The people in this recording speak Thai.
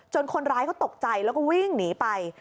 คนร้ายเขาตกใจแล้วก็วิ่งหนีไป